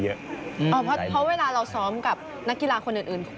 เพราะเวลาเราซ้อมกับนักกีฬาคนอื่น